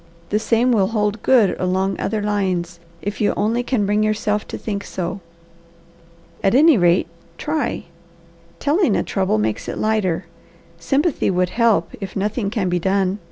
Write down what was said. The same will hold good along other lines, if you only can bring yourself to think so. At any rate, try. Telling a trouble makes it lighter. Sympathy should help, if nothing can be done.